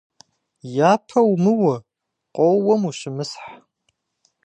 Япэ умыуэ, къоуэм ущымысхь.